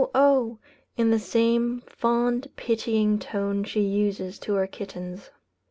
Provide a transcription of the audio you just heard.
oh!" in the same fond pitying tone she uses to her kittens.